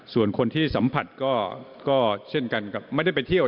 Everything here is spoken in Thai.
ส่วนคนที่สัมผัสก็เช่นกันกับไม่ได้ไปเที่ยว